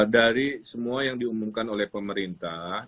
dari semua yang diumumkan oleh pemerintah